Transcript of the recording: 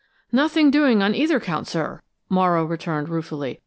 "Nothing doing on either count, sir," Morrow returned, ruefully.